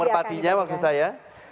burung merpatinya maksud saya